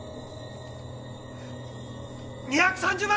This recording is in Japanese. ２３０万！